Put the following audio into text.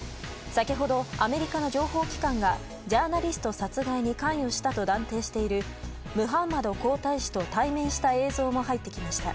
先ほどアメリカの情報機関がジャーナリスト殺害に関与したと断定しているムハンマド皇太子と対面した映像も入ってきました。